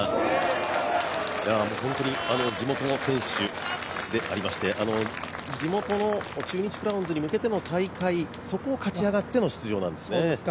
地元の選手でありまして地元の中日クラウンズに向けての大会、そこを勝ち上がっての出場なんですね。